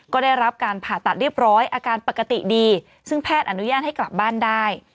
ก็ได้รับการผ่าตัดเรียบร้อยอาการปกติดีซึ่งแพทย์อนุญาตให้กลับบ้านได้